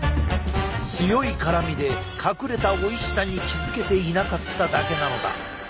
強い辛みで隠れたおいしさに気付けていなかっただけなのだ。